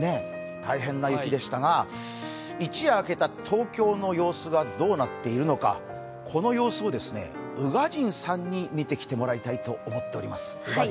大変な雪でしたが、一夜明けた東京の様子がどうなっているのか、この様子を宇賀神さんに見てきてもらいたいと思っております。